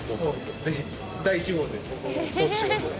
ぜひ、第１号で僕をコーチしてください。